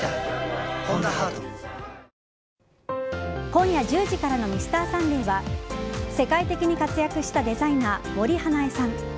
今夜１０時からの「Ｍｒ．サンデー」は世界的に活躍したデザイナー森英恵さん。